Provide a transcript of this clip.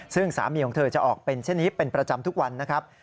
ซึ่งสามีของเธอจะออกเป็นเช่นนี้เป็นประจำทุกวันนะครับ